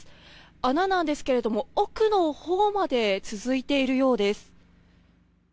穴なんですけれども奥のほうまで続いているようです。